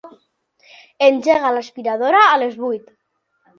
Engega l'aspiradora a les vuit.